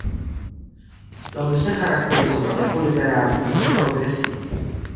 Dal by se charakterizovat jako liberální nebo progresivní.